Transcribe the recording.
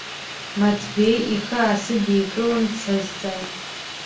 Маҭбеи ихы аасыдикылан, дсазҵааит.